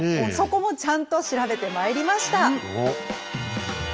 そこもちゃんと調べてまいりました。